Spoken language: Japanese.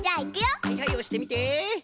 はいはいおしてみて。